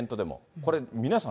これ、皆さん